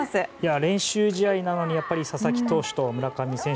練習試合なのにやっぱり佐々木投手と村上選手